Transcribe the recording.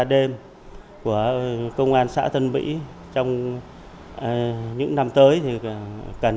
là công an xã thân mỹ hoạt động rất tích cực